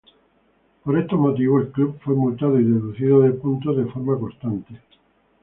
Por estos motivos, el club fue multado y deducido de puntos de forma constante.